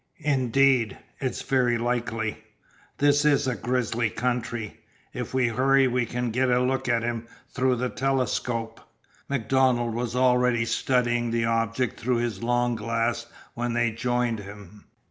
"Indeed, it's very likely. This is a grizzly country. If we hurry you can get a look at him through the telescope." MacDonald was already studying the object through his long glass when they joined him.